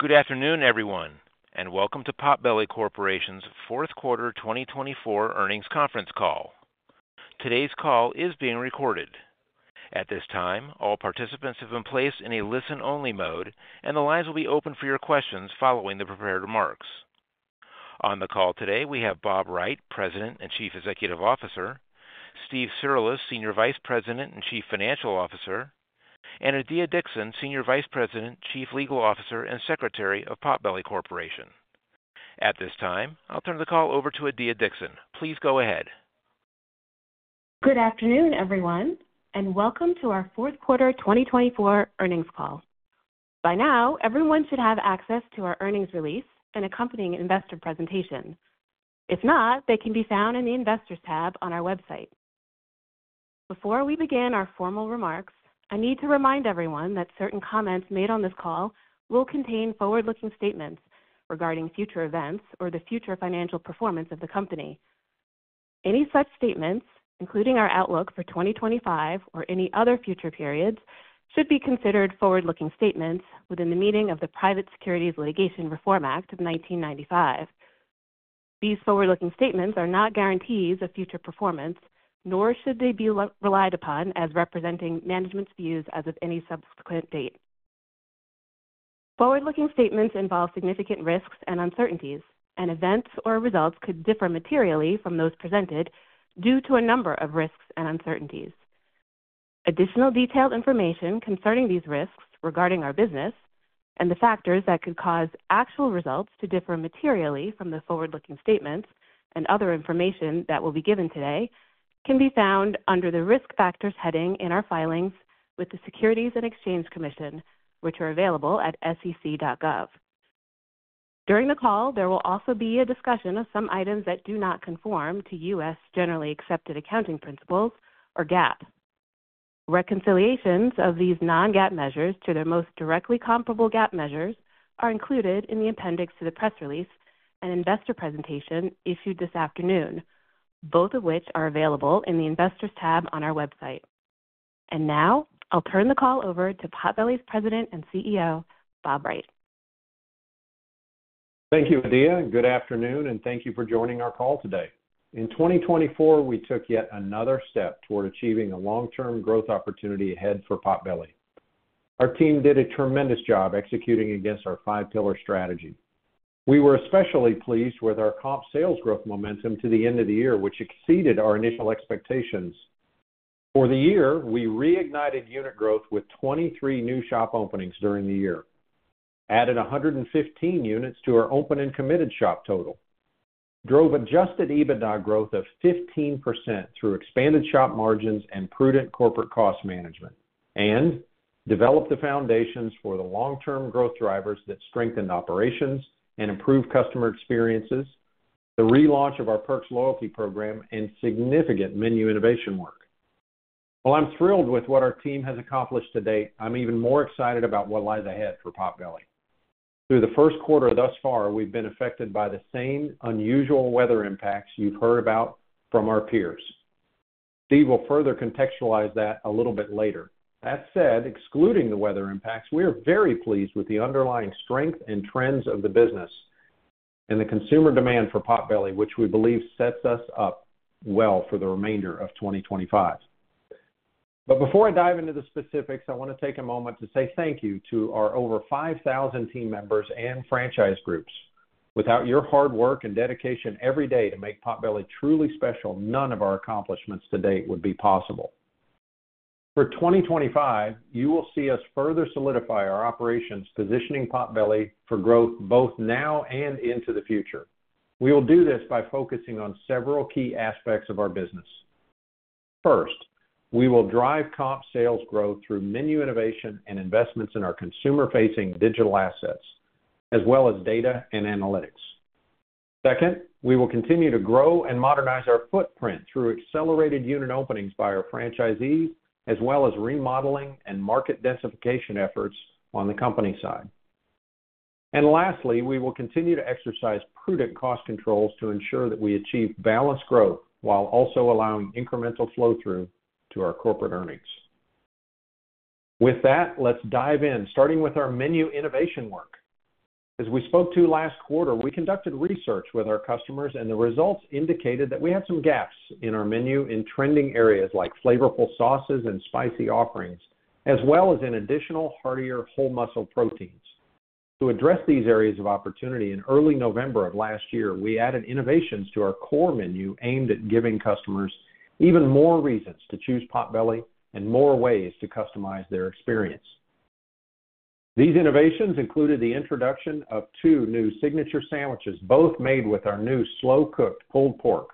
Good afternoon, everyone, and welcome to Potbelly Corporation's fourth quarter 2024 earnings conference call. Today's call is being recorded. At this time, all participants have been placed in a listen-only mode, and the lines will be open for your questions following the prepared remarks. On the call today, we have Bob Wright, President and Chief Executive Officer; Steve Cirulis, Senior Vice President and Chief Financial Officer; and Adiya Dixon, Senior Vice President, Chief Legal Officer, and Secretary of Potbelly Corporation. At this time, I'll turn the call over to Adiya Dixon. Please go ahead. Good afternoon, everyone, and welcome to our fourth quarter 2024 earnings call. By now, everyone should have access to our earnings release and accompanying investor presentation. If not, they can be found in the Investors tab on our website. Before we begin our formal remarks, I need to remind everyone that certain comments made on this call will contain forward-looking statements regarding future events or the future financial performance of the company. Any such statements, including our outlook for 2025 or any other future periods, should be considered forward-looking statements within the meaning of the Private Securities Litigation Reform Act of 1995. These forward-looking statements are not guarantees of future performance, nor should they be relied upon as representing management's views as of any subsequent date. Forward-looking statements involve significant risks and uncertainties, and events or results could differ materially from those presented due to a number of risks and uncertainties. Additional detailed information concerning these risks regarding our business and the factors that could cause actual results to differ materially from the forward-looking statements and other information that will be given today can be found under the Risk Factors heading in our filings with the Securities and Exchange Commission, which are available at sec.gov. During the call, there will also be a discussion of some items that do not conform to U.S. generally accepted accounting principles or GAAP. Reconciliations of these non-GAAP measures to their most directly comparable GAAP measures are included in the appendix to the press release and investor presentation issued this afternoon, both of which are available in the Investors tab on our website. Now, I'll turn the call over to Potbelly's President and CEO, Bob Wright. Thank you, Adiya. Good afternoon, and thank you for joining our call today. In 2024, we took yet another step toward achieving a long-term growth opportunity ahead for Potbelly. Our team did a tremendous job executing against our five-pillar strategy. We were especially pleased with our comp sales growth momentum to the end of the year, which exceeded our initial expectations. For the year, we reignited unit growth with 23 new shop openings during the year, added 115 units to our open and committed shop total, drove adjusted EBITDA growth of 15% through expanded shop margins and prudent corporate cost management, and developed the foundations for the long-term growth drivers that strengthened operations and improved customer experiences, the relaunch of our Perks loyalty program, and significant menu innovation work. While I'm thrilled with what our team has accomplished to date, I'm even more excited about what lies ahead for Potbelly. Through the first quarter thus far, we've been affected by the same unusual weather impacts you've heard about from our peers. Steve will further contextualize that a little bit later. That said, excluding the weather impacts, we are very pleased with the underlying strength and trends of the business and the consumer demand for Potbelly, which we believe sets us up well for the remainder of 2025. Before I dive into the specifics, I want to take a moment to say thank you to our over 5,000 team members and franchise groups. Without your hard work and dedication every day to make Potbelly truly special, none of our accomplishments to date would be possible. For 2025, you will see us further solidify our operations, positioning Potbelly for growth both now and into the future. We will do this by focusing on several key aspects of our business. First, we will drive comp sales growth through menu innovation and investments in our consumer-facing digital assets, as well as data and analytics. Second, we will continue to grow and modernize our footprint through accelerated unit openings by our franchisees, as well as remodeling and market densification efforts on the company side. Lastly, we will continue to exercise prudent cost controls to ensure that we achieve balanced growth while also allowing incremental flow-through to our corporate earnings. With that, let's dive in, starting with our menu innovation work. As we spoke to last quarter, we conducted research with our customers, and the results indicated that we had some gaps in our menu in trending areas like flavorful sauces and spicy offerings, as well as in additional heartier whole muscle proteins. To address these areas of opportunity, in early November of last year, we added innovations to our core menu aimed at giving customers even more reasons to choose Potbelly and more ways to customize their experience. These innovations included the introduction of two new signature sandwiches, both made with our new slow-cooked pulled pork,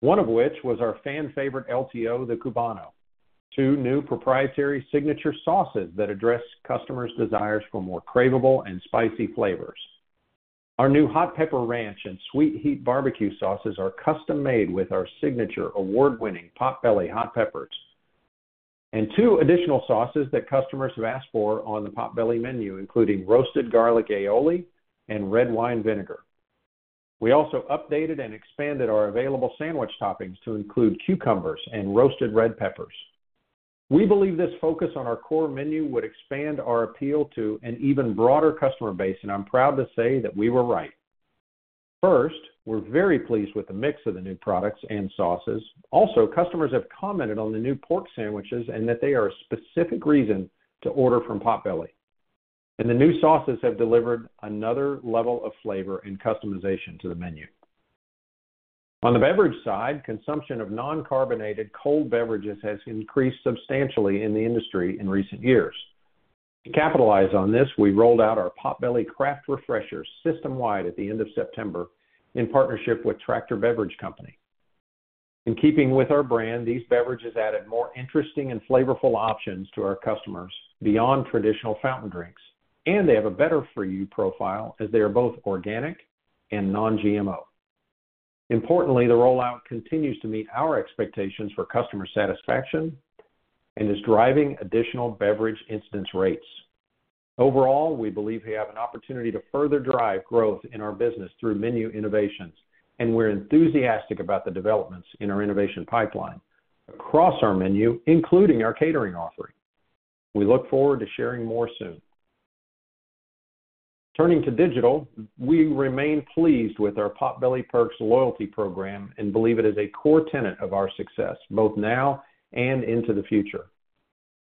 one of which was our fan-favorite LTO, the Cubano, two new proprietary signature sauces that address customers' desires for more craveable and spicy flavors. Our new hot pepper ranch and sweet heat barbecue sauces are custom-made with our signature award-winning Potbelly hot peppers, and two additional sauces that customers have asked for on the Potbelly menu, including roasted garlic aioli and red wine vinegar. We also updated and expanded our available sandwich toppings to include cucumbers and roasted red peppers. We believe this focus on our core menu would expand our appeal to an even broader customer base, and I'm proud to say that we were right. First, we're very pleased with the mix of the new products and sauces. Also, customers have commented on the new pork sandwiches and that they are a specific reason to order from Potbelly. The new sauces have delivered another level of flavor and customization to the menu. On the beverage side, consumption of non-carbonated cold beverages has increased substantially in the industry in recent years. To capitalize on this, we rolled out our Potbelly craft refreshers system-wide at the end of September in partnership with Tractor Beverage Company. In keeping with our brand, these beverages added more interesting and flavorful options to our customers beyond traditional fountain drinks, and they have a better-for-you profile as they are both organic and non-GMO. Importantly, the rollout continues to meet our expectations for customer satisfaction and is driving additional beverage incidence rates. Overall, we believe we have an opportunity to further drive growth in our business through menu innovations, and we're enthusiastic about the developments in our innovation pipeline across our menu, including our catering offering. We look forward to sharing more soon. Turning to digital, we remain pleased with our Potbelly Perks loyalty program and believe it is a core tenet of our success both now and into the future.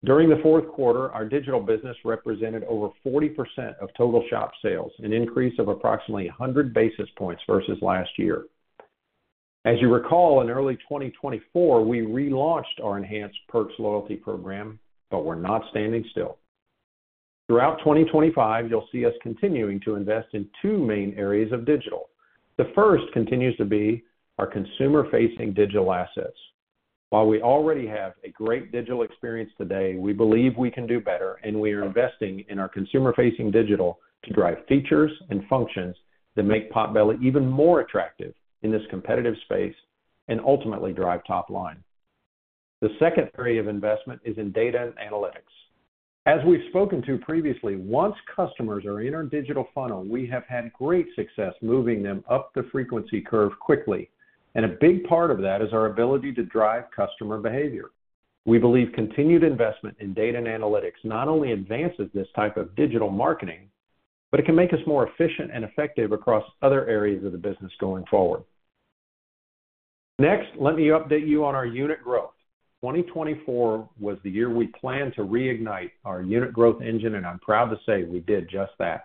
During the fourth quarter, our digital business represented over 40% of total shop sales, an increase of approximately 100 basis points versus last year. As you recall, in early 2024, we relaunched our enhanced Perks loyalty program, but we're not standing still. Throughout 2025, you'll see us continuing to invest in two main areas of digital. The first continues to be our consumer-facing digital assets. While we already have a great digital experience today, we believe we can do better, and we are investing in our consumer-facing digital to drive features and functions that make Potbelly even more attractive in this competitive space and ultimately drive top line. The second area of investment is in data and analytics. As we've spoken to previously, once customers are in our digital funnel, we have had great success moving them up the frequency curve quickly, and a big part of that is our ability to drive customer behavior. We believe continued investment in data and analytics not only advances this type of digital marketing, but it can make us more efficient and effective across other areas of the business going forward. Next, let me update you on our unit growth. 2024 was the year we planned to reignite our unit growth engine, and I'm proud to say we did just that.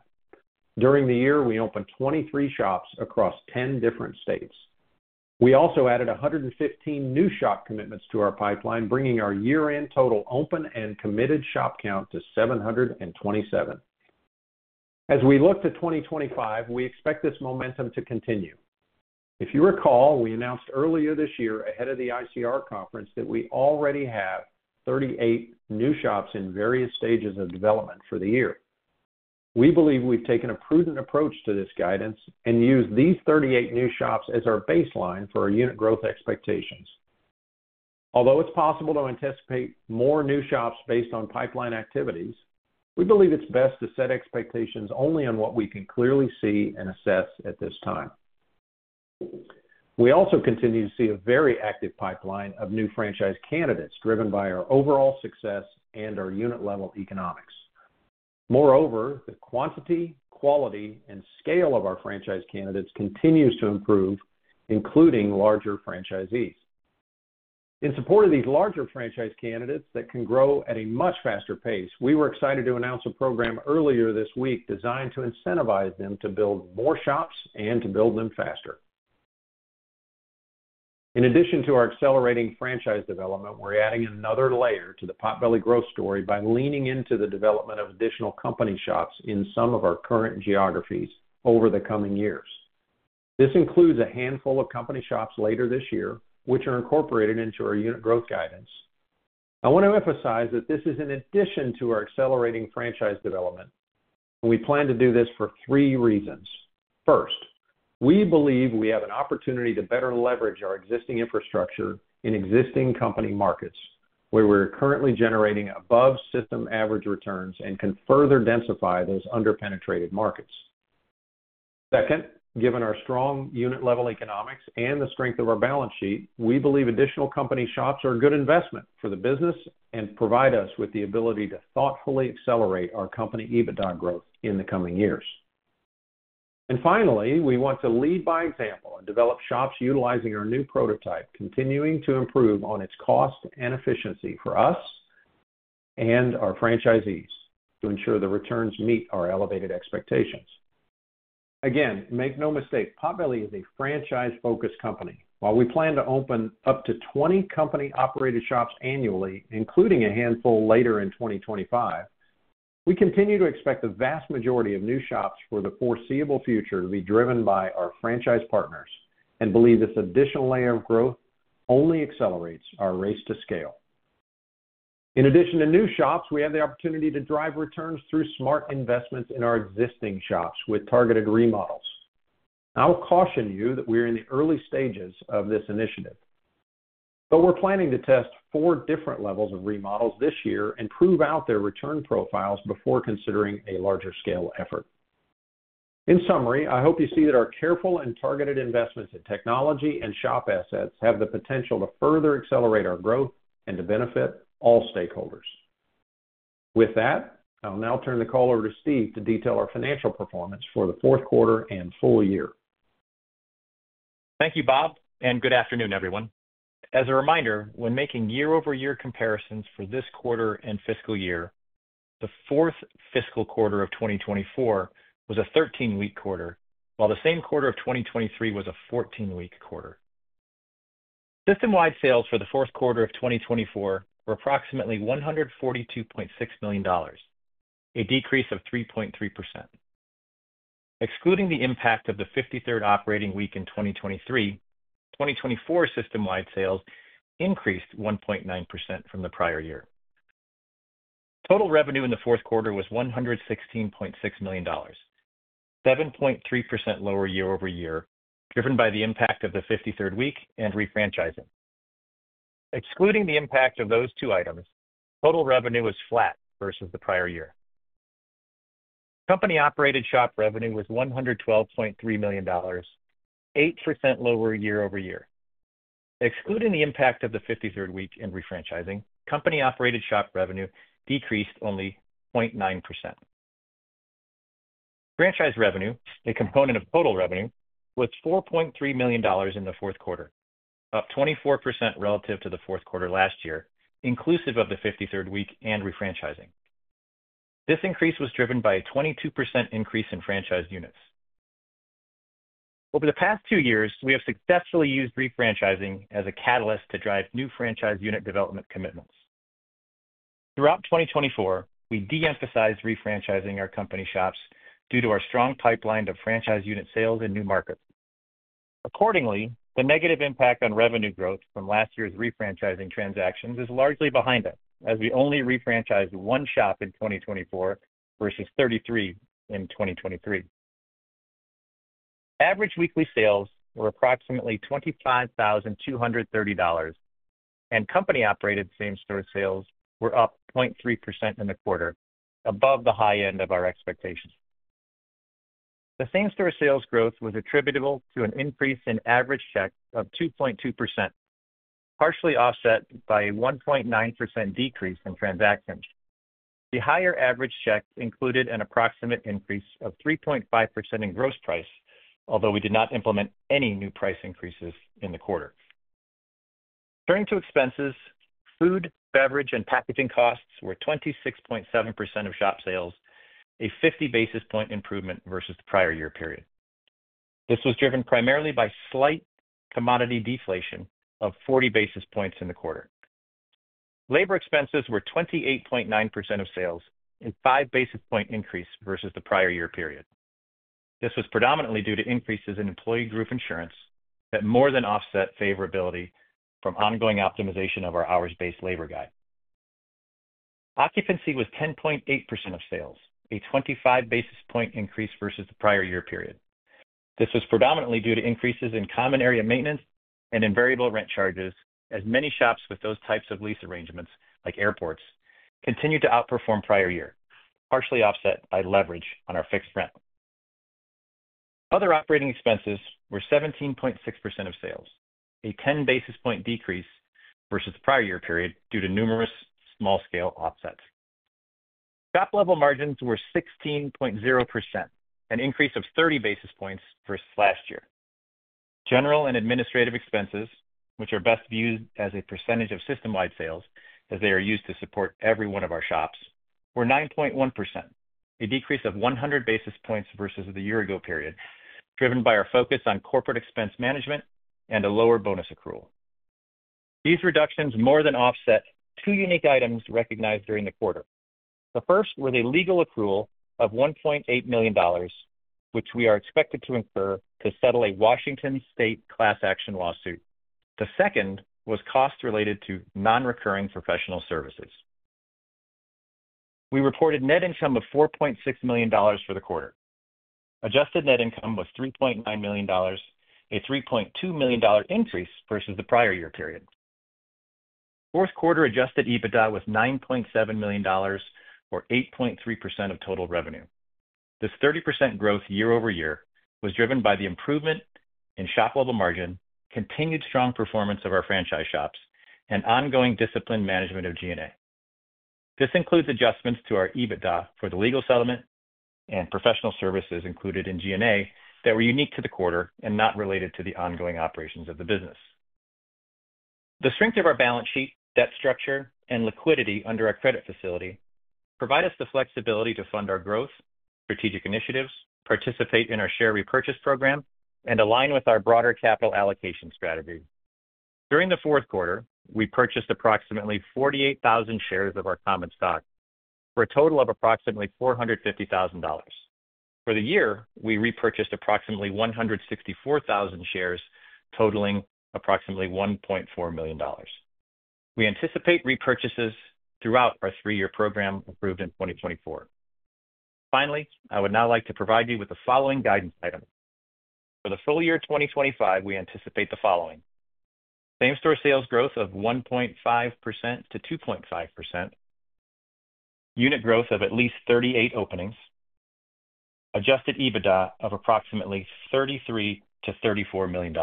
During the year, we opened 23 shops across 10 different states. We also added 115 new shop commitments to our pipeline, bringing our year-end total open and committed shop count to 727. As we look to 2025, we expect this momentum to continue. If you recall, we announced earlier this year ahead of the ICR conference that we already have 38 new shops in various stages of development for the year. We believe we've taken a prudent approach to this guidance and used these 38 new shops as our baseline for our unit growth expectations. Although it's possible to anticipate more new shops based on pipeline activities, we believe it's best to set expectations only on what we can clearly see and assess at this time. We also continue to see a very active pipeline of new franchise candidates driven by our overall success and our unit-level economics. Moreover, the quantity, quality, and scale of our franchise candidates continues to improve, including larger franchisees. In support of these larger franchise candidates that can grow at a much faster pace, we were excited to announce a program earlier this week designed to incentivize them to build more shops and to build them faster. In addition to our accelerating franchise development, we're adding another layer to the Potbelly growth story by leaning into the development of additional company shops in some of our current geographies over the coming years. This includes a handful of company shops later this year, which are incorporated into our unit growth guidance. I want to emphasize that this is in addition to our accelerating franchise development, and we plan to do this for three reasons. First, we believe we have an opportunity to better leverage our existing infrastructure in existing company markets where we're currently generating above system average returns and can further densify those under-penetrated markets. Second, given our strong unit-level economics and the strength of our balance sheet, we believe additional company shops are a good investment for the business and provide us with the ability to thoughtfully accelerate our company EBITDA growth in the coming years. Finally, we want to lead by example and develop shops utilizing our new prototype, continuing to improve on its cost and efficiency for us and our franchisees to ensure the returns meet our elevated expectations. Again, make no mistake, Potbelly is a franchise-focused company. While we plan to open up to 20 company-operated shops annually, including a handful later in 2025, we continue to expect the vast majority of new shops for the foreseeable future to be driven by our franchise partners and believe this additional layer of growth only accelerates our race to scale. In addition to new shops, we have the opportunity to drive returns through smart investments in our existing shops with targeted remodels. I'll caution you that we're in the early stages of this initiative, but we're planning to test four different levels of remodels this year and prove out their return profiles before considering a larger scale effort. In summary, I hope you see that our careful and targeted investments in technology and shop assets have the potential to further accelerate our growth and to benefit all stakeholders. With that, I'll now turn the call over to Steve to detail our financial performance for the fourth quarter and full year. Thank you, Bob, and good afternoon, everyone. As a reminder, when making year-over-year comparisons for this quarter and fiscal year, the fourth fiscal quarter of 2024 was a 13-week quarter, while the same quarter of 2023 was a 14-week quarter. System-wide sales for the fourth quarter of 2024 were approximately $142.6 million, a decrease of 3.3%. Excluding the impact of the 53rd operating week in 2023, 2024 system-wide sales increased 1.9% from the prior year. Total revenue in the fourth quarter was $116.6 million, 7.3% lower year-over-year, driven by the impact of the 53rd week and refranchising. Excluding the impact of those two items, total revenue was flat versus the prior year. Company-operated shop revenue was $112.3 million, 8% lower year-over-year. Excluding the impact of the 53rd week and refranchising, company-operated shop revenue decreased only 0.9%. Franchise revenue, a component of total revenue, was $4.3 million in the fourth quarter, up 24% relative to the fourth quarter last year, inclusive of the 53rd week and refranchising. This increase was driven by a 22% increase in franchise units. Over the past two years, we have successfully used refranchising as a catalyst to drive new franchise unit development commitments. Throughout 2024, we de-emphasized refranchising our company shops due to our strong pipeline of franchise unit sales in new markets. Accordingly, the negative impact on revenue growth from last year's refranchising transactions is largely behind us, as we only refranchised one shop in 2024 versus 33 in 2023. Average weekly sales were approximately $25,230, and company-operated same-store sales were up 0.3% in the quarter, above the high end of our expectations. The same-store sales growth was attributable to an increase in average checks of 2.2%, partially offset by a 1.9% decrease in transactions. The higher average checks included an approximate increase of 3.5% in gross price, although we did not implement any new price increases in the quarter. Turning to expenses, food, beverage, and packaging costs were 26.7% of shop sales, a 50 basis point improvement versus the prior year period. This was driven primarily by slight commodity deflation of 40 basis points in the quarter. Labor expenses were 28.9% of sales, a 5 basis point increase versus the prior year period. This was predominantly due to increases in employee group insurance that more than offset favorability from ongoing optimization of our hours-based labor guide. Occupancy was 10.8% of sales, a 25 basis point increase versus the prior year period. This was predominantly due to increases in common area maintenance and in variable rent charges, as many shops with those types of lease arrangements, like airports, continued to outperform prior year, partially offset by leverage on our fixed rent. Other operating expenses were 17.6% of sales, a 10 basis point decrease versus the prior year period due to numerous small-scale offsets. Shop-level margins were 16.0%, an increase of 30 basis points versus last year. General and administrative expenses, which are best viewed as a percentage of system-wide sales as they are used to support every one of our shops, were 9.1%, a decrease of 100 basis points versus the year-ago period, driven by our focus on corporate expense management and a lower bonus accrual. These reductions more than offset two unique items recognized during the quarter. The first was a legal accrual of $1.8 million, which we are expected to incur to settle a Washington State class action lawsuit. The second was costs related to non-recurring professional services. We reported net income of $4.6 million for the quarter. Adjusted net income was $3.9 million, a $3.2 million increase versus the prior year period. Fourth quarter adjusted EBITDA was $9.7 million, or 8.3% of total revenue. This 30% growth year-over-year was driven by the improvement in shop-level margin, continued strong performance of our franchise shops, and ongoing discipline management of G&A. This includes adjustments to our EBITDA for the legal settlement and professional services included in G&A that were unique to the quarter and not related to the ongoing operations of the business. The strength of our balance sheet, debt structure, and liquidity under our credit facility provide us the flexibility to fund our growth, strategic initiatives, participate in our share repurchase program, and align with our broader capital allocation strategy. During the fourth quarter, we purchased approximately 48,000 shares of our common stock for a total of approximately $450,000. For the year, we repurchased approximately 164,000 shares, totaling approximately $1.4 million. We anticipate repurchases throughout our three-year program approved in 2024. Finally, I would now like to provide you with the following guidance items. For the full year 2025, we anticipate the following: same-store sales growth of 1.5%-2.5%, unit growth of at least 38 openings, adjusted EBITDA of approximately $33-$34 million.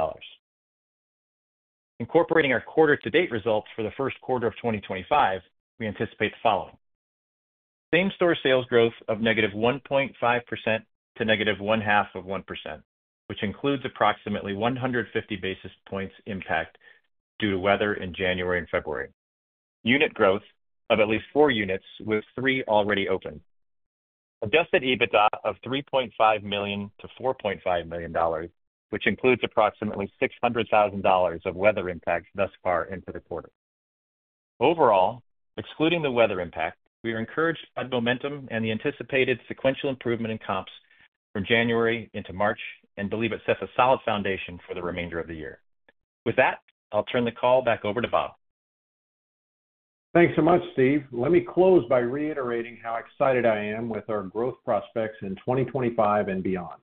Incorporating our quarter-to-date results for the first quarter of 2025, we anticipate the following: same-store sales growth of negative 1.5% to negative one-half of 1%, which includes approximately 150 basis points impact due to weather in January and February, unit growth of at least four units with three already opened, adjusted EBITDA of $3.5 million-$4.5 million, which includes approximately $600,000 of weather impact thus far into the quarter. Overall, excluding the weather impact, we are encouraged by the momentum and the anticipated sequential improvement in comps from January into March and believe it sets a solid foundation for the remainder of the year. With that, I'll turn the call back over to Bob. Thanks so much, Steve. Let me close by reiterating how excited I am with our growth prospects in 2025 and beyond.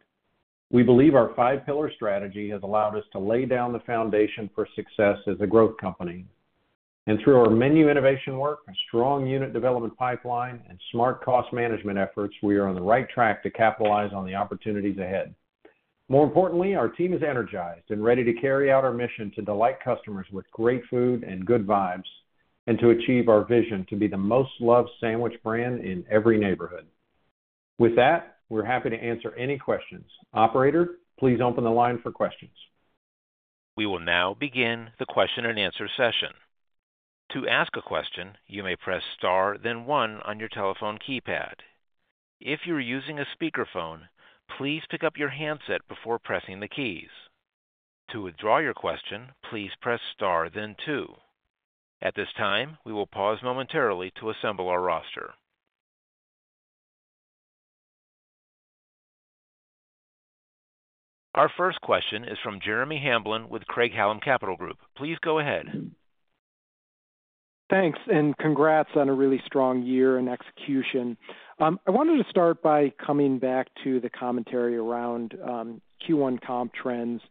We believe our five-pillar strategy has allowed us to lay down the foundation for success as a growth company. Through our menu innovation work, a strong unit development pipeline, and smart cost management efforts, we are on the right track to capitalize on the opportunities ahead. More importantly, our team is energized and ready to carry out our mission to delight customers with great food and good vibes and to achieve our vision to be the most loved sandwich brand in every neighborhood. With that, we're happy to answer any questions. Operator, please open the line for questions. We will now begin the question-and-answer session. To ask a question, you may press Star, then 1 on your telephone keypad. If you're using a speakerphone, please pick up your handset before pressing the keys. To withdraw your question, please press Star, then 2. At this time, we will pause momentarily to assemble our roster. Our first question is from Jeremy Hamblin with Craig-Hallum Capital Group. Please go ahead. Thanks, and congrats on a really strong year and execution. I wanted to start by coming back to the commentary around Q1 comp trends,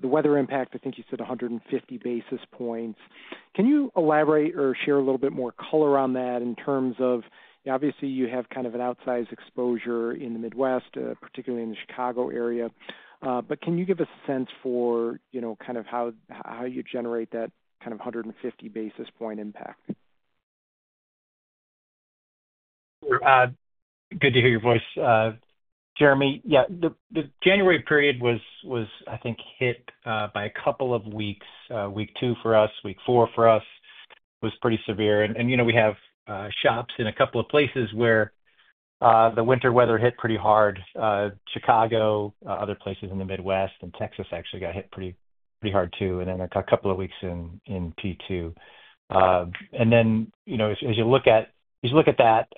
the weather impact. I think you said 150 basis points. Can you elaborate or share a little bit more color on that in terms of, obviously, you have kind of an outsized exposure in the Midwest, particularly in the Chicago area. Can you give us a sense for kind of how you generate that kind of 150 basis point impact? Good to hear your voice. Jeremy, yeah, the January period was, I think, hit by a couple of weeks. Week two for us, week four for us was pretty severe. We have shops in a couple of places where the winter weather hit pretty hard: Chicago, other places in the Midwest, and Texas actually got hit pretty hard, too, and then a couple of weeks in P2. As you look at that,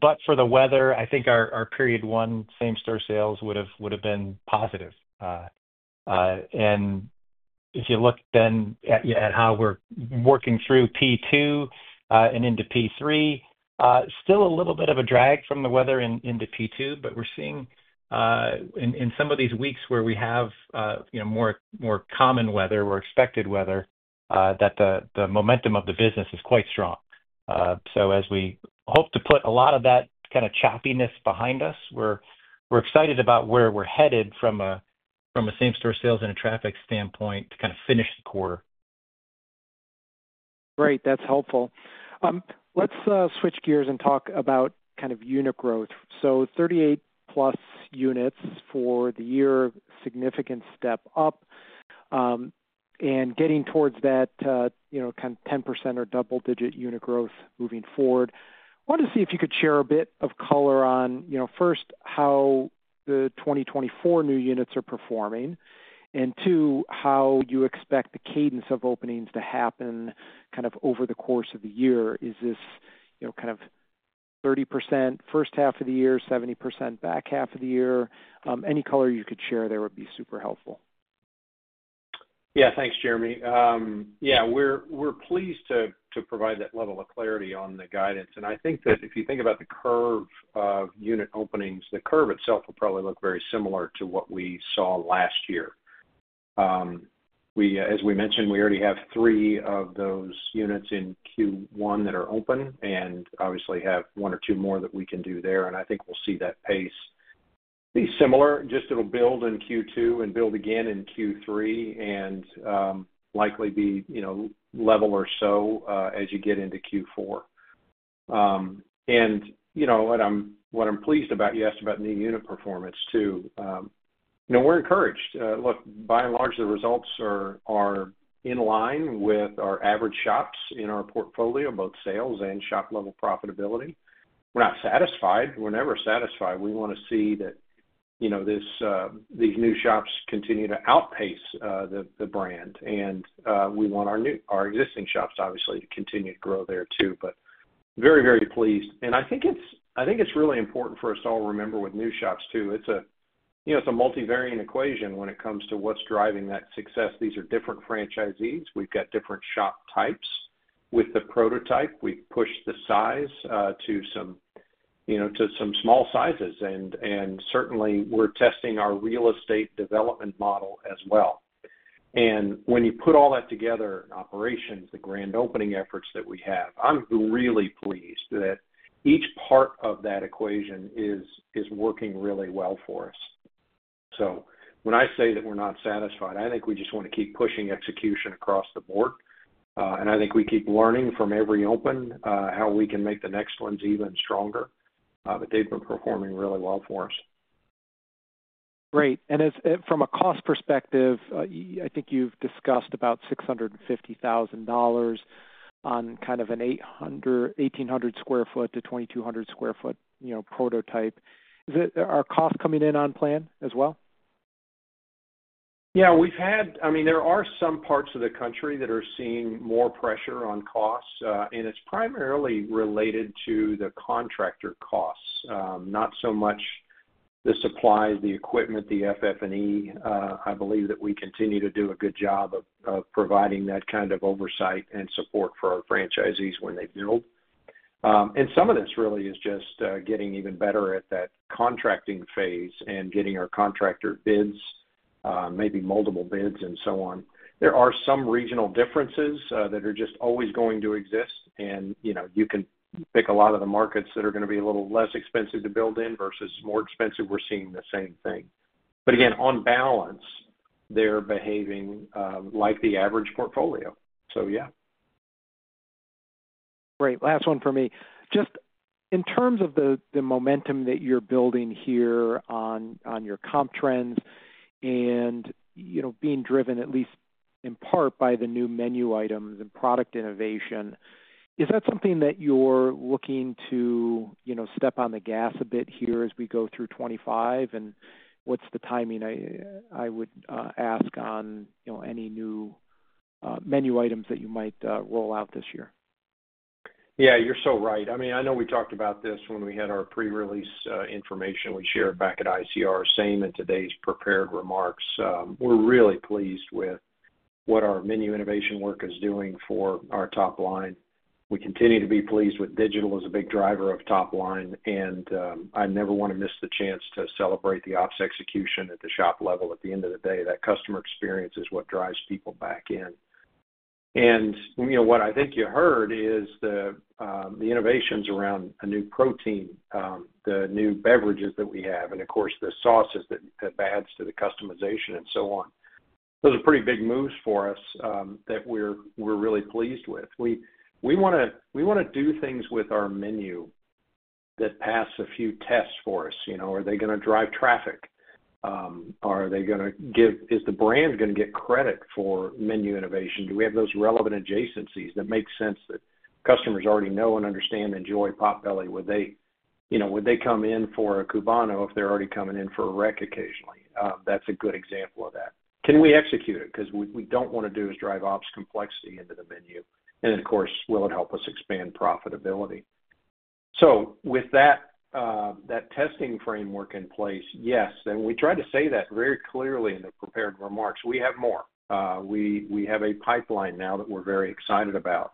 but for the weather, I think our period one, same-store sales would have been positive. If you look then at how we're working through P2 and into P3, still a little bit of a drag from the weather into P2, but we're seeing in some of these weeks where we have more common weather, more expected weather, that the momentum of the business is quite strong. As we hope to put a lot of that kind of choppiness behind us, we're excited about where we're headed from a same-store sales and a traffic standpoint to kind of finish the quarter. Great. That's helpful. Let's switch gears and talk about kind of unit growth. So 38-plus units for the year, significant step up. And getting towards that kind of 10% or double-digit unit growth moving forward, I wanted to see if you could share a bit of color on, first, how the 2024 new units are performing, and two, how you expect the cadence of openings to happen kind of over the course of the year. Is this kind of 30% first half of the year, 70% back half of the year? Any color you could share there would be super helpful. Yeah, thanks, Jeremy. Yeah, we're pleased to provide that level of clarity on the guidance. I think that if you think about the curve of unit openings, the curve itself will probably look very similar to what we saw last year. As we mentioned, we already have three of those units in Q1 that are open and obviously have one or two more that we can do there. I think we'll see that pace be similar. Just it'll build in Q2 and build again in Q3 and likely be level or so as you get into Q4. What I'm pleased about, you asked about new unit performance, too. We're encouraged. Look, by and large, the results are in line with our average shops in our portfolio, both sales and shop-level profitability. We're not satisfied. We're never satisfied. We want to see that these new shops continue to outpace the brand. We want our existing shops, obviously, to continue to grow there, too. Very, very pleased. I think it's really important for us to all remember with new shops, too, it's a multivariant equation when it comes to what's driving that success. These are different franchisees. We've got different shop types. With the prototype, we've pushed the size to some small sizes. Certainly, we're testing our real estate development model as well. When you put all that together, operations, the grand opening efforts that we have, I'm really pleased that each part of that equation is working really well for us. When I say that we're not satisfied, I think we just want to keep pushing execution across the board. I think we keep learning from every open how we can make the next ones even stronger. They have been performing really well for us. Great. From a cost perspective, I think you've discussed about $650,000 on kind of an 1,800 sq ft to 2,200 sq ft prototype. Is our cost coming in on plan as well? Yeah. I mean, there are some parts of the country that are seeing more pressure on costs. It's primarily related to the contractor costs, not so much the supplies, the equipment, the FF&E. I believe that we continue to do a good job of providing that kind of oversight and support for our franchisees when they build. Some of this really is just getting even better at that contracting phase and getting our contractor bids, maybe multiple bids, and so on. There are some regional differences that are just always going to exist. You can pick a lot of the markets that are going to be a little less expensive to build in versus more expensive. We're seeing the same thing. On balance, they're behaving like the average portfolio. So yeah. Great. Last one for me. Just in terms of the momentum that you're building here on your comp trends and being driven at least in part by the new menu items and product innovation, is that something that you're looking to step on the gas a bit here as we go through 2025? What is the timing, I would ask, on any new menu items that you might roll out this year? Yeah, you're so right. I mean, I know we talked about this when we had our pre-release information we shared back at ICR, same in today's prepared remarks. We're really pleased with what our menu innovation work is doing for our top line. We continue to be pleased with digital as a big driver of top line. I never want to miss the chance to celebrate the ops execution at the shop level. At the end of the day, that customer experience is what drives people back in. What I think you heard is the innovations around a new protein, the new beverages that we have, and of course, the sauces that adds to the customization and so on. Those are pretty big moves for us that we're really pleased with. We want to do things with our menu that pass a few tests for us. Are they going to drive traffic? Are they going to give us, is the brand going to get credit for menu innovation? Do we have those relevant adjacencies that make sense, that customers already know and understand and enjoy Potbelly? Would they come in for a Cubano if they're already coming in for a Wreck occasionally? That's a good example of that. Can we execute it? Because what we don't want to do is drive ops complexity into the menu. Of course, will it help us expand profitability? With that testing framework in place, yes. We tried to say that very clearly in the prepared remarks. We have more. We have a pipeline now that we're very excited about.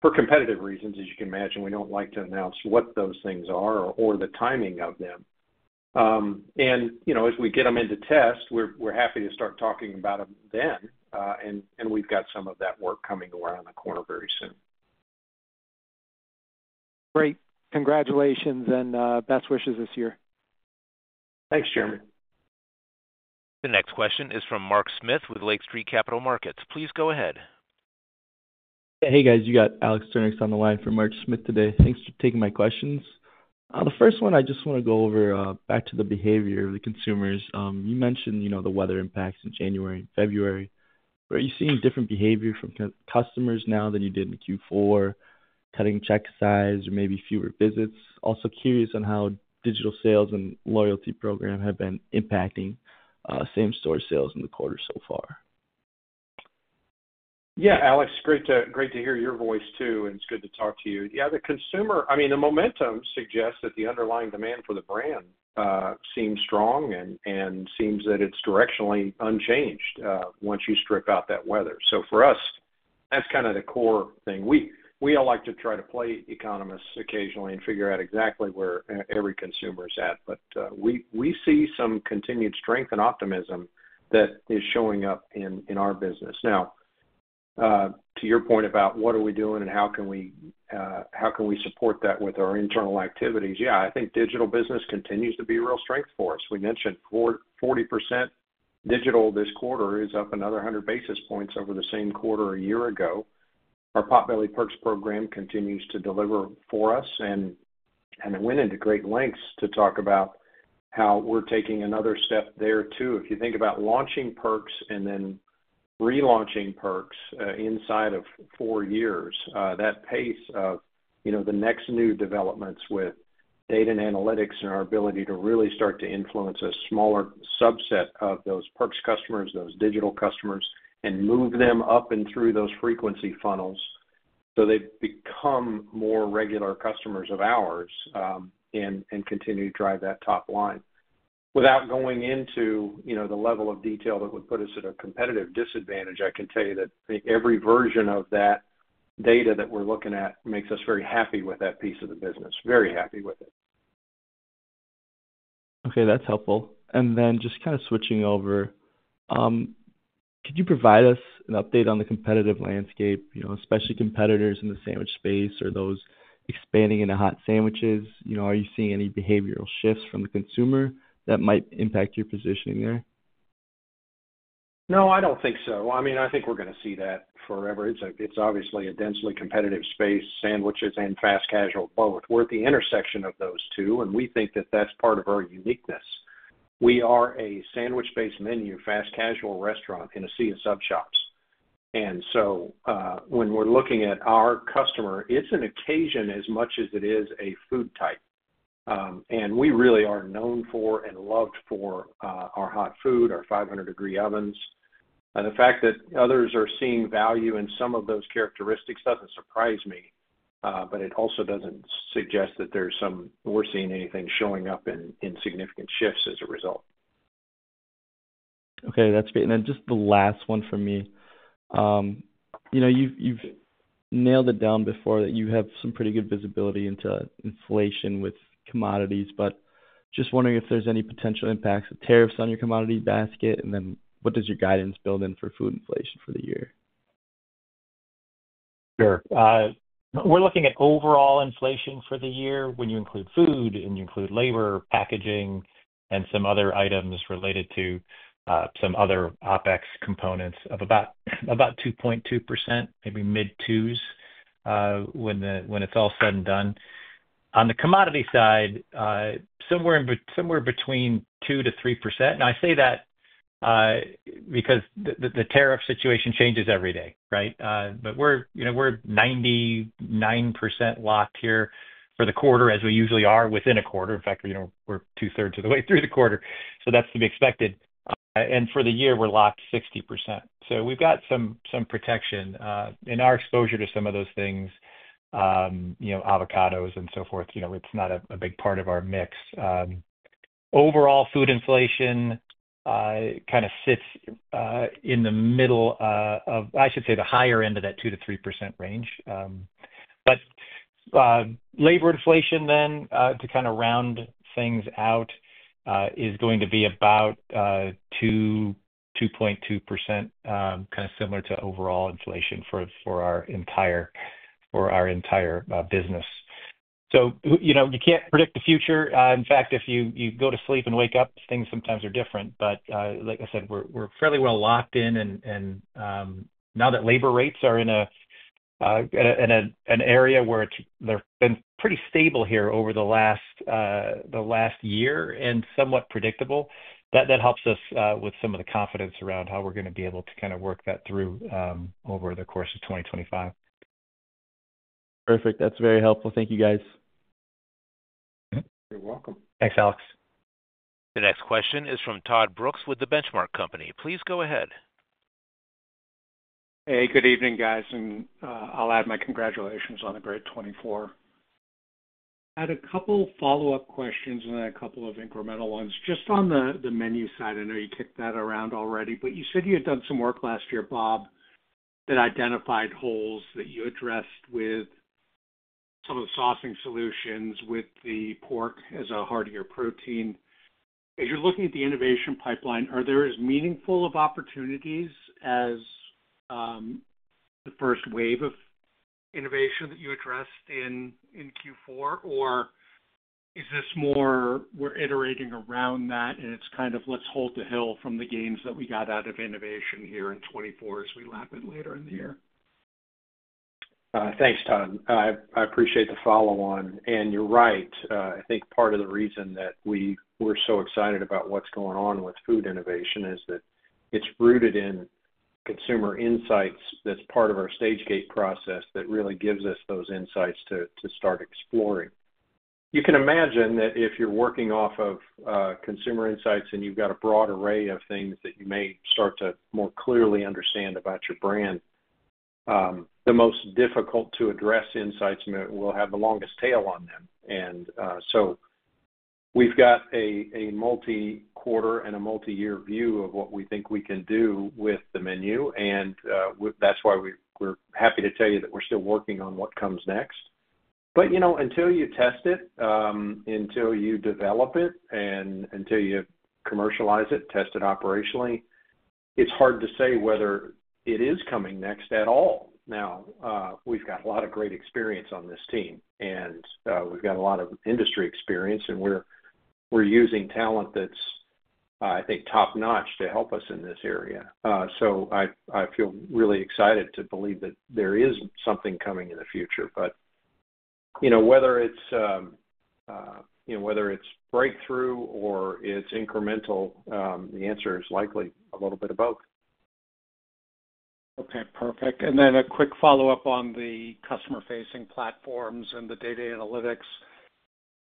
For competitive reasons, as you can imagine, we don't like to announce what those things are or the timing of them. As we get them into test, we're happy to start talking about them then. We've got some of that work coming around the corner very soon. Great. Congratulations and best wishes this year. Thanks, Jeremy. The next question is from Mark Smith with Lake Street Capital Markets. Please go ahead. Hey, guys. You got Alex Sturnieks on the line from Mark Smith today. Thanks for taking my questions. The first one, I just want to go over back to the behavior of the consumers. You mentioned the weather impacts in January and February. Are you seeing different behavior from customers now than you did in Q4, cutting check size or maybe fewer visits? Also curious on how digital sales and loyalty program have been impacting same-store sales in the quarter so far. Yeah, Alex, great to hear your voice, too. It's good to talk to you. Yeah, the consumer, I mean, the momentum suggests that the underlying demand for the brand seems strong and seems that it's directionally unchanged once you strip out that weather. For us, that's kind of the core thing. We all like to try to play economists occasionally and figure out exactly where every consumer is at. We see some continued strength and optimism that is showing up in our business. Now, to your point about what are we doing and how can we support that with our internal activities, yeah, I think digital business continues to be a real strength for us. We mentioned 40% digital this quarter is up another 100 basis points over the same quarter a year ago. Our Potbelly Perks program continues to deliver for us. I went into great lengths to talk about how we're taking another step there, too. If you think about launching Perks and then relaunching Perks inside of four years, that pace of the next new developments with data and analytics and our ability to really start to influence a smaller subset of those Perks customers, those digital customers, and move them up and through those frequency funnels so they become more regular customers of ours and continue to drive that top line without going into the level of detail that would put us at a competitive disadvantage. I can tell you that every version of that data that we're looking at makes us very happy with that piece of the business, very happy with it. Okay. That's helpful. Just kind of switching over, could you provide us an update on the competitive landscape, especially competitors in the sandwich space or those expanding into hot sandwiches? Are you seeing any behavioral shifts from the consumer that might impact your positioning there? No, I don't think so. I mean, I think we're going to see that forever. It's obviously a densely competitive space, sandwiches and fast casual, both worth the intersection of those two. We think that that's part of our uniqueness. We are a sandwich-based menu, fast casual restaurant in a sea of sub shops. When we're looking at our customer, it's an occasion as much as it is a food type. We really are known for and loved for our hot food, our 500-degree ovens. The fact that others are seeing value in some of those characteristics doesn't surprise me. It also doesn't suggest that we're seeing anything showing up in significant shifts as a result. Okay. That's great. Just the last one for me. You've nailed it down before that you have some pretty good visibility into inflation with commodities, but just wondering if there's any potential impacts of tariffs on your commodity basket. What does your guidance build in for food inflation for the year? Sure. We're looking at overall inflation for the year when you include food and you include labor, packaging, and some other items related to some other OpEx components of about 2.2%, maybe mid-2%'s when it's all said and done. On the commodity side, somewhere between 2-3%. I say that because the tariff situation changes every day, right? We're 99% locked here for the quarter as we usually are within a quarter. In fact, we're two-thirds of the way through the quarter. That's to be expected. For the year, we're locked 60%. We've got some protection. Our exposure to some of those things, avocados and so forth, it's not a big part of our mix. Overall, food inflation kind of sits in the middle of, I should say, the higher end of that 2-3% range. Labor inflation then, to kind of round things out, is going to be about 2, 2.2%, kind of similar to overall inflation for our entire business. You can't predict the future. In fact, if you go to sleep and wake up, things sometimes are different. Like I said, we're fairly well locked in. Now that labor rates are in an area where they've been pretty stable here over the last year and somewhat predictable, that helps us with some of the confidence around how we're going to be able to kind of work that through over the course of 2025. Perfect. That's very helpful. Thank you, guys. You're welcome. Thanks, Alex. The next question is from Todd Brooks with The Benchmark Company. Please go ahead. Hey, good evening, guys. I'll add my congratulations on a great 2024. I had a couple of follow-up questions and then a couple of incremental ones. Just on the menu side, I know you kicked that around already. You said you had done some work last year, Bob, that identified holes that you addressed with some of the saucing solutions with the pork as a heartier protein. As you're looking at the innovation pipeline, are there as meaningful opportunities as the first wave of innovation that you addressed in Q4? Or is this more we're iterating around that, and it's kind of let's hold the hill from the gains that we got out of innovation here in 2024 as we lap it later in the year? Thanks, Todd. I appreciate the follow-on. You're right. I think part of the reason that we're so excited about what's going on with food innovation is that it's rooted in consumer insights that's part of our stage gate process that really gives us those insights to start exploring. You can imagine that if you're working off of consumer insights and you've got a broad array of things that you may start to more clearly understand about your brand, the most difficult to address insights will have the longest tail on them. We've got a multi-quarter and a multi-year view of what we think we can do with the menu. That's why we're happy to tell you that we're still working on what comes next. Until you test it, until you develop it, and until you commercialize it, test it operationally, it's hard to say whether it is coming next at all. Now, we've got a lot of great experience on this team. And we've got a lot of industry experience. And we're using talent that's, I think, top-notch to help us in this area. So I feel really excited to believe that there is something coming in the future. But whether it's breakthrough or it's incremental, the answer is likely a little bit of both. Okay. Perfect. And then a quick follow-up on the customer-facing platforms and the data analytics.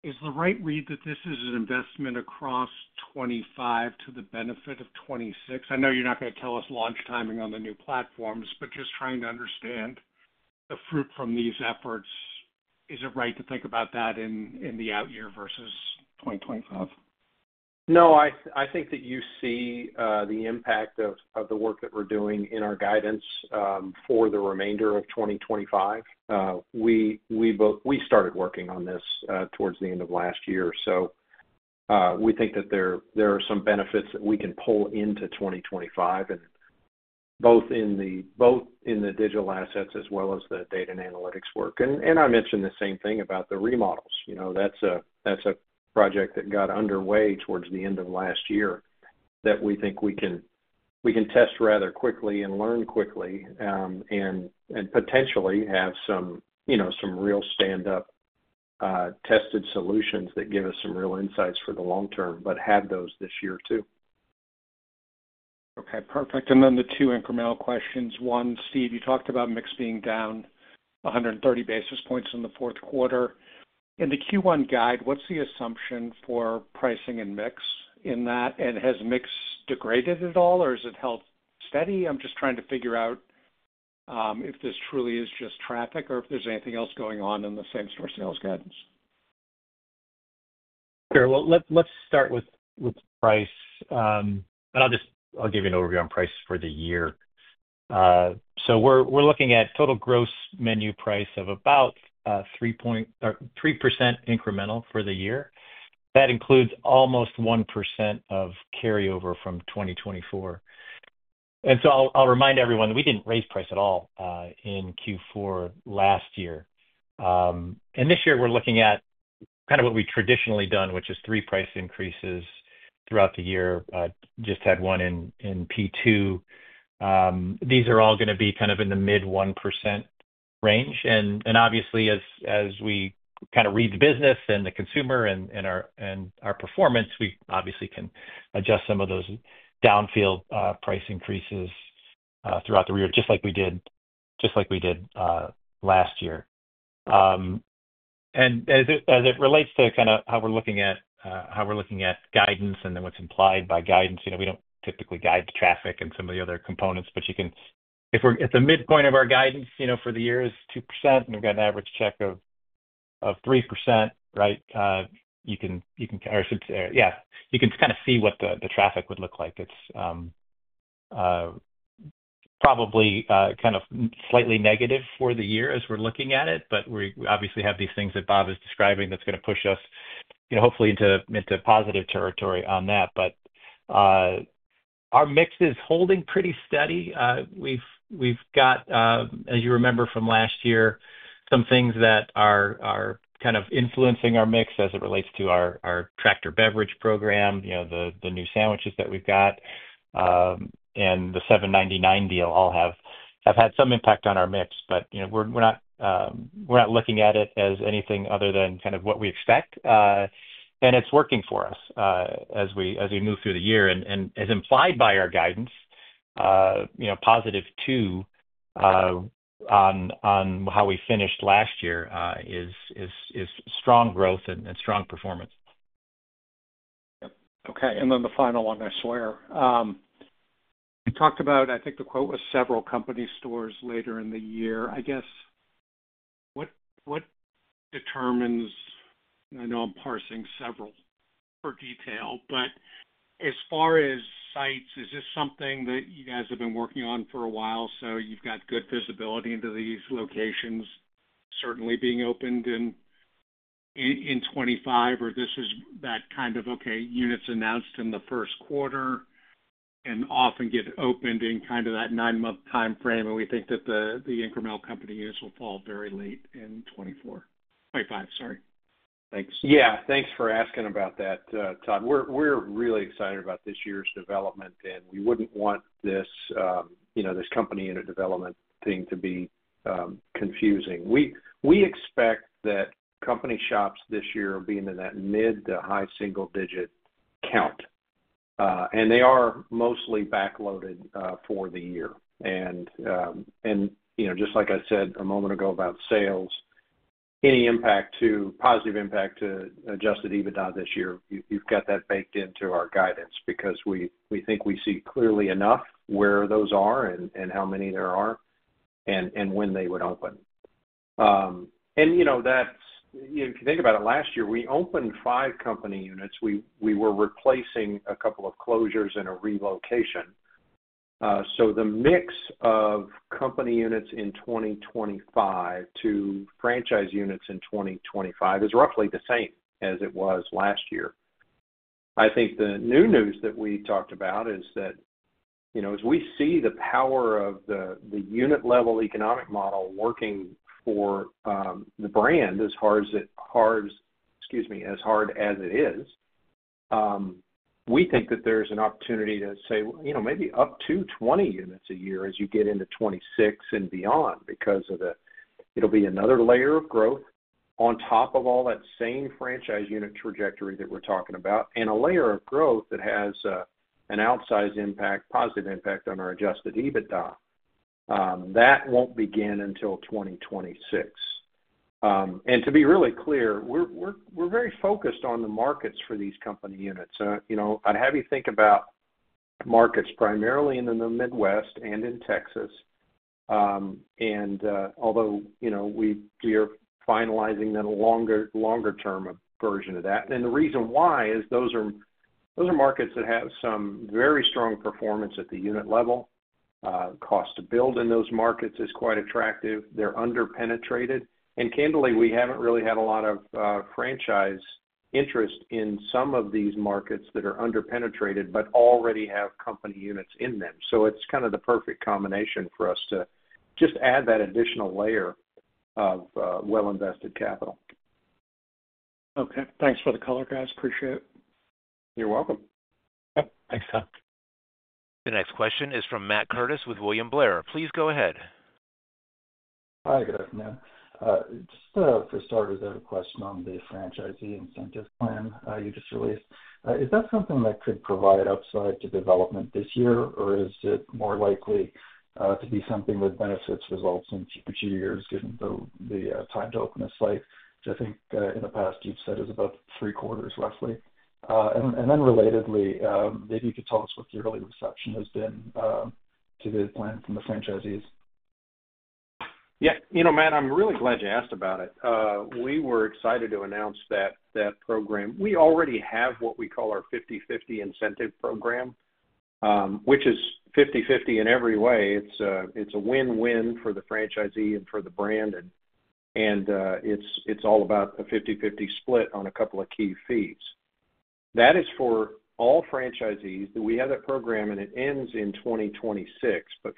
Is the right read that this is an investment across '25 to the benefit of '26? I know you're not going to tell us launch timing on the new platforms, but just trying to understand the fruit from these efforts, is it right to think about that in the out year versus 2025? No, I think that you see the impact of the work that we're doing in our guidance for the remainder of 2025. We started working on this towards the end of last year. We think that there are some benefits that we can pull into 2025, both in the digital assets as well as the data and analytics work. I mentioned the same thing about the remodels. That's a project that got underway towards the end of last year that we think we can test rather quickly and learn quickly and potentially have some real stand-up tested solutions that give us some real insights for the long term, but have those this year, too. Okay. Perfect. The two incremental questions. One, Steve, you talked about mix being down 130 basis points in the fourth quarter. In the Q1 guide, what's the assumption for pricing and mix in that? Has mix degraded at all, or has it held steady? I'm just trying to figure out if this truly is just traffic or if there's anything else going on in the same-store sales guidance. Sure. Let's start with price. I'll give you an overview on price for the year. We're looking at total gross menu price of about 3% incremental for the year. That includes almost 1% of carryover from 2024. I'll remind everyone that we didn't raise price at all in Q4 last year. This year, we're looking at kind of what we've traditionally done, which is three price increases throughout the year. Just had one in Q2. These are all going to be kind of in the mid-1% range. Obviously, as we kind of read the business and the consumer and our performance, we obviously can adjust some of those downfield price increases throughout the year, just like we did last year. As it relates to kind of how we're looking at guidance and then what's implied by guidance, we don't typically guide the traffic and some of the other components. If the midpoint of our guidance for the year is 2% and we've got an average check of 3%, right, you can or yeah, you can kind of see what the traffic would look like. It's probably kind of slightly negative for the year as we're looking at it. We obviously have these things that Bob is describing that's going to push us hopefully into positive territory on that. Our mix is holding pretty steady. We've got, as you remember from last year, some things that are kind of influencing our mix as it relates to our Tractor Beverage program, the new sandwiches that we've got. The $7.99 deal all have had some impact on our mix. We are not looking at it as anything other than kind of what we expect. It is working for us as we move through the year. As implied by our guidance, positive two on how we finished last year is strong growth and strong performance. Yep. Okay. And then the final one, I swear. You talked about, I think the quote was several company stores later in the year. I guess what determines—I know I'm parsing several for detail. As far as sites, is this something that you guys have been working on for a while? So you've got good visibility into these locations certainly being opened in 2025, or this is that kind of, okay, units announced in the first quarter and often get opened in kind of that nine-month time frame. We think that the incremental company units will fall very late in 2024, sorry guys sorry. Thanks. Yeah. Thanks for asking about that, Todd. We're really excited about this year's development. We wouldn't want this company unit development thing to be confusing. We expect that company shops this year are being in that mid to high single-digit count. They are mostly backloaded for the year. Just like I said a moment ago about sales, any impact to positive impact to adjusted EBITDA this year, you've got that baked into our guidance because we think we see clearly enough where those are and how many there are and when they would open. If you think about it, last year, we opened five company units. We were replacing a couple of closures and a relocation. The mix of company units in 2025 to franchise units in 2025 is roughly the same as it was last year. I think the new news that we talked about is that as we see the power of the unit-level economic model working for the brand as hard as it is, we think that there's an opportunity to say maybe up to 20 units a year as you get into 2026 and beyond because it'll be another layer of growth on top of all that same franchise unit trajectory that we're talking about and a layer of growth that has an outsize impact, positive impact on our adjusted EBITDA. That won't begin until 2026. To be really clear, we're very focused on the markets for these company units. I'd have you think about markets primarily in the Midwest and in Texas. Although we are finalizing then a longer-term version of that. The reason why is those are markets that have some very strong performance at the unit level. Cost to build in those markets is quite attractive. They are under-penetrated. Candidly, we have not really had a lot of franchise interest in some of these markets that are under-penetrated but already have company units in them. It is kind of the perfect combination for us to just add that additional layer of well-invested capital. Okay. Thanks for the color, guys. Appreciate it. You're welcome. Yep. Thanks, Todd. The next question is from Matt Curtis with William Blair. Please go ahead. Hi, good afternoon. Just for starters, I have a question on the franchisee incentive plan you just released. Is that something that could provide upside to development this year, or is it more likely to be something that benefits results in future years given the time to open a site? I think in the past, you've said it's about three quarters, roughly. Relatedly, maybe you could tell us what the early reception has been to the plan from the franchisees. Yeah. You know, Matt, I'm really glad you asked about it. We were excited to announce that program. We already have what we call our 50/50 incentive program, which is 50/50 in every way. It's a win-win for the franchisee and for the brand. It's all about a 50/50 split on a couple of key fees. That is for all franchisees. We have that program, and it ends in 2026.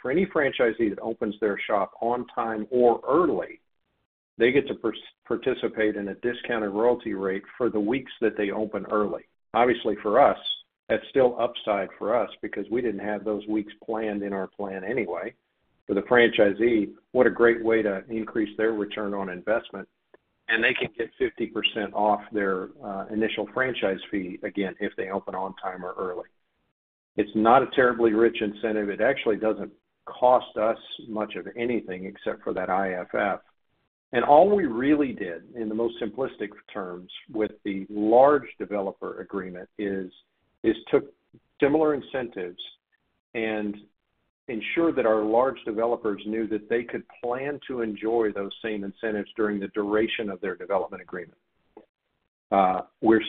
For any franchisee that opens their shop on time or early, they get to participate in a discounted royalty rate for the weeks that they open early. Obviously, for us, that's still upside for us because we didn't have those weeks planned in our plan anyway. For the franchisee, what a great way to increase their return on investment. They can get 50% off their initial franchise fee again if they open on time or early. It's not a terribly rich incentive. It actually doesn't cost us much of anything except for that IFF. All we really did in the most simplistic terms with the large developer agreement is took similar incentives and ensured that our large developers knew that they could plan to enjoy those same incentives during the duration of their development agreement. We're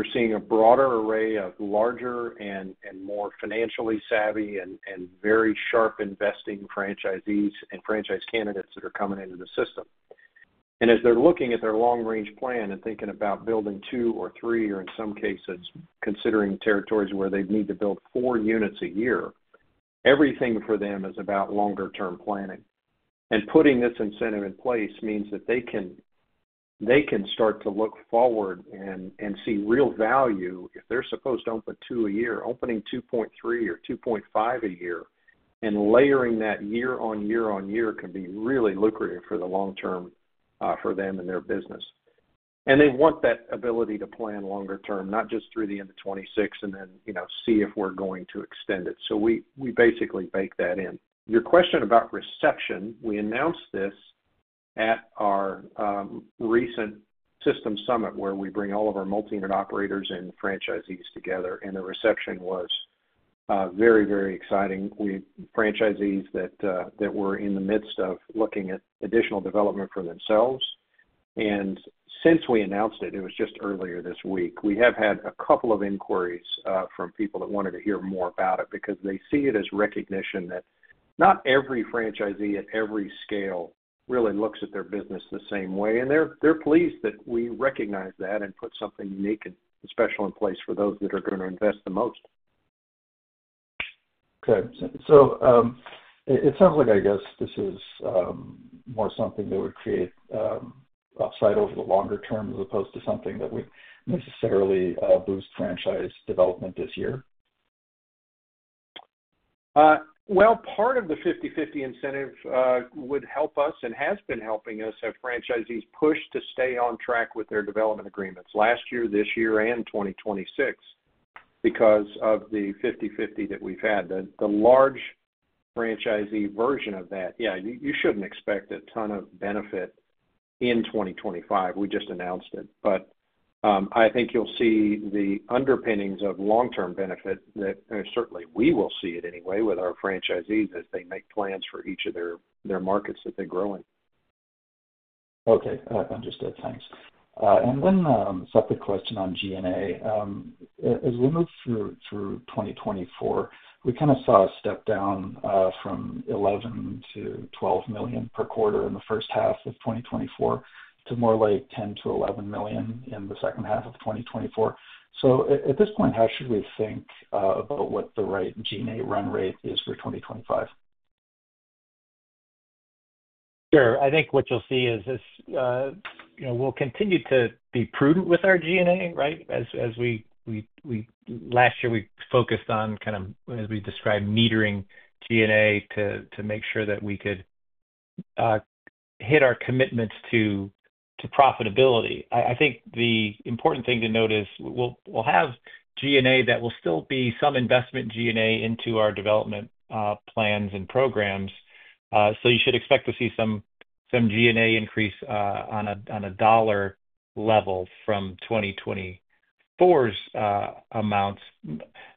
seeing a broader array of larger and more financially savvy and very sharp investing franchisees and franchise candidates that are coming into the system. As they're looking at their long-range plan and thinking about building two or three or, in some cases, considering territories where they'd need to build four units a year, everything for them is about longer-term planning. Putting this incentive in place means that they can start to look forward and see real value if they're supposed to open two a year. Opening 2.3 or 2.5 a year and layering that year on year on year can be really lucrative for the long term for them and their business. They want that ability to plan longer term, not just through the end of 2026 and then see if we're going to extend it. We basically baked that in. Your question about reception, we announced this at our recent system summit where we bring all of our multi-unit operators and franchisees together. The reception was very, very exciting. We had franchisees that were in the midst of looking at additional development for themselves. Since we announced it, it was just earlier this week, we have had a couple of inquiries from people that wanted to hear more about it because they see it as recognition that not every franchisee at every scale really looks at their business the same way. They are pleased that we recognize that and put something unique and special in place for those that are going to invest the most. Okay. It sounds like, I guess, this is more something that would create upside over the longer term as opposed to something that would necessarily boost franchise development this year. Part of the 50/50 incentive would help us and has been helping us have franchisees push to stay on track with their development agreements last year, this year, and 2026 because of the 50/50 that we've had. The large franchisee version of that, yeah, you shouldn't expect a ton of benefit in 2025. We just announced it. I think you'll see the underpinnings of long-term benefit that certainly we will see it anyway with our franchisees as they make plans for each of their markets that they grow in. Okay. Understood. Thanks. A separate question on G&A. As we move through 2024, we kind of saw a step down from $11 million-$12 million per quarter in the first half of 2024 to more like $10 million-$11 million in the second half of 2024. At this point, how should we think about what the right G&A run rate is for 2025? Sure. I think what you'll see is we'll continue to be prudent with our G&A, right? Last year, we focused on kind of, as we described, metering G&A to make sure that we could hit our commitments to profitability. I think the important thing to note is we'll have G&A that will still be some investment G&A into our development plans and programs. You should expect to see some G&A increase on a dollar level from 2024's amounts,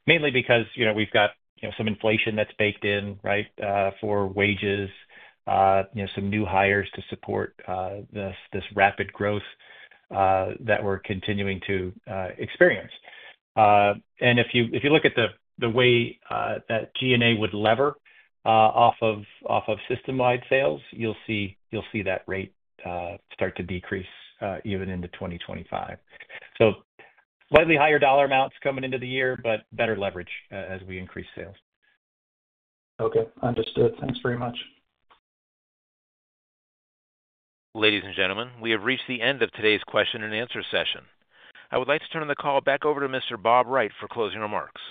mainly because we've got some inflation that's baked in, right, for wages, some new hires to support this rapid growth that we're continuing to experience. If you look at the way that G&A would lever off of system-wide sales, you'll see that rate start to decrease even into 2025. Slightly higher dollar amounts coming into the year, but better leverage as we increase sales. Okay. Understood. Thanks very much. Ladies and gentlemen, we have reached the end of today's question and answer session. I would like to turn the call back over to Mr. Bob Wright for closing remarks.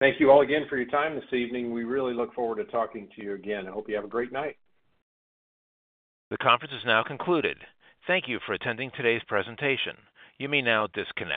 Thank you all again for your time this evening. We really look forward to talking to you again. I hope you have a great night. The conference is now concluded. Thank you for attending today's presentation. You may now disconnect.